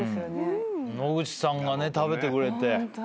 野口さんが食べてくれて。